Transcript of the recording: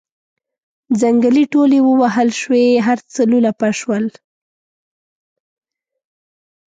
ځنګلې ټولې ووهل شوې هر څه لولپه شول.